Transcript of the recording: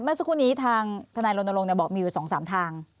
เมื่อสักครู่นี้ทางทนายรณรงค์บอกมีอยู่๒๓ทาง